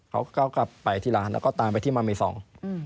เขาก็กลับไปที่ร้านแล้วก็ตามไปที่มาเมซอง